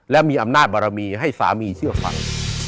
และมีอำนาจบารมีให้สามีเชื่อฟัง